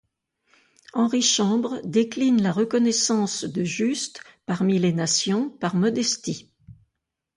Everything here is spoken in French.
Henri Chambre décline la reconnaissance de Juste parmi les nations, par modestie.